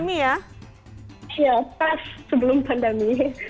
iya pas sebelum pandemi